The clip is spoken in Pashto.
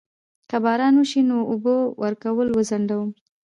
که باران وشي نو اوبه ورکول وځنډوم؟